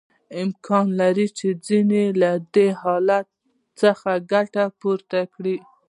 امکان لري چې ځینې یې له دې حالت څخه ګټه پورته کړي